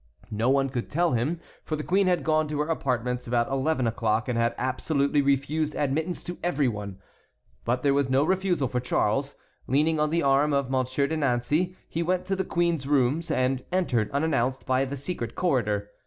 No one could tell him, for the queen had gone to her apartments about eleven o'clock and had absolutely refused admittance to every one. But there was no refusal for Charles. Leaning on the arm of Monsieur de Nancey, he went to the queen's rooms and entered unannounced by the secret corridor.